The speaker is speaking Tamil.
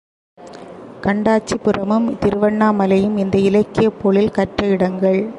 கண்டாச்சிபுரமும் திருவண்ணாமலையும் இந்த இலக்கியப் பொழில், கற்ற இடங்கள்.